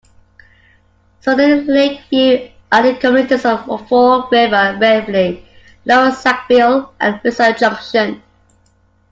Surrounding Lakeview are the communities of Fall River, Waverley, Lower Sackville and Windsor Junction.